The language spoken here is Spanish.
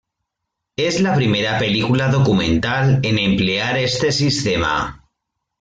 Es la primera película documental en emplear este sistema.